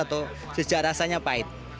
atau sejarahsanya pahit